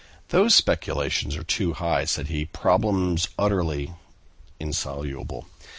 "Those speculations are too high," said he; "problems utterly insoluble.